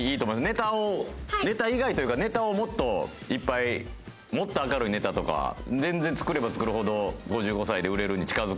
ネタをネタ以外というかネタをもっといっぱいもっと明るいネタとか全然作れば作るほどはい！